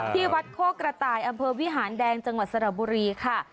ที่วัดโคกระต่ายอำเภอวิหารแดงจังหวัดสระบุรีค่ะ